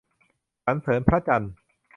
สรรเสริญพระจันทร์